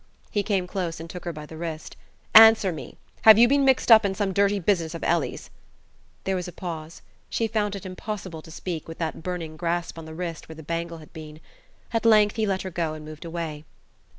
He came close and took her by the wrist. "Answer me. Have you been mixed up in some dirty business of Ellie's?" There was a pause. She found it impossible to speak, with that burning grasp on the wrist where the bangle had been. At length he let her go and moved away.